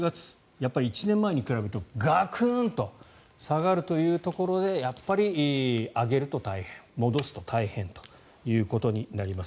やっぱり１年前に比べるとガクンと下がるというところでやっぱり上げると大変戻すと大変ということになります。